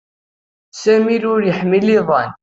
Sami ur iḥmil iḍan